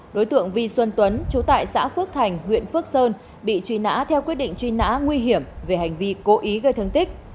đối tượng vi xuân tuấn chú tại xã phước thành huyện phước sơn bị truy nã theo quyết định truy nã nguy hiểm về hành vi cố ý gây thương tích